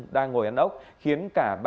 đang ngồi ăn ốc khiến đường võ thị sáu